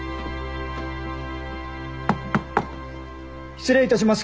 失礼いたします